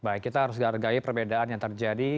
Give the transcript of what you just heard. baik kita harus hargai perbedaan yang terjadi